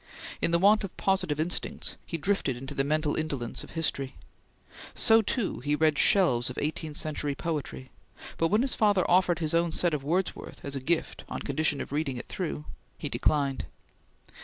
In the want of positive instincts, he drifted into the mental indolence of history. So too, he read shelves of eighteenth century poetry, but when his father offered his own set of Wordsworth as a gift on condition of reading it through, he declined.